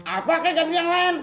apa kayak ganti yang lain